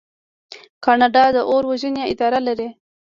کاناډا د اور وژنې اداره لري.